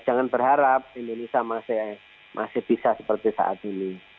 jangan berharap indonesia masih bisa seperti saat ini